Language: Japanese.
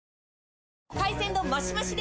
海鮮丼マシマシで！